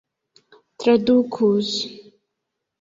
tradukus